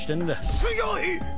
強い！